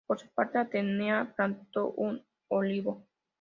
Por su parte, Atenea plantó un olivo.